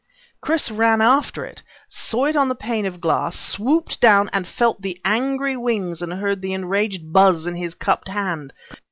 Chris ran after it, saw it on a pane of glass, swooped down, and felt the angry wings and heard the enraged buzz in his cupped hand.